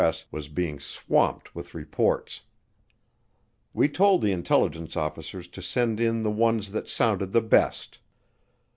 S. was being swamped with reports. We told the intelligence officers to send in the ones that sounded the best.